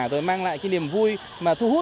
rồi mang lại cái niềm vui mà thu hút